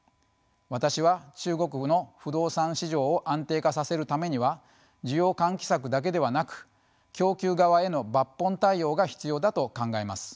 私は中国の不動産市場を安定化させるためには需要喚起策だけではなく供給側への抜本対応が必要だと考えます。